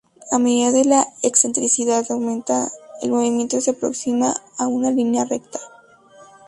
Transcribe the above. A medida que la excentricidad aumenta, el movimiento se aproxima a una línea recta.